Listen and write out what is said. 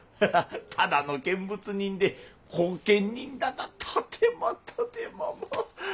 ただの見物人で後見人などとてもとても。